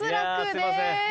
すいません。